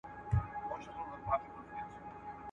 شاګرد کولای سي له خپل استاد سره مخالفت وکړي.